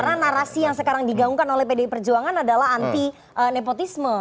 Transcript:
karena narasi yang sekarang diganggungkan oleh pdi perjuangan adalah anti nepotisme